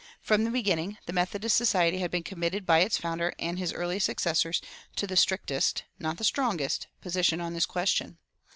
From the beginning the Methodist Society had been committed by its founder and his early successors to the strictest (not the strongest) position on this question.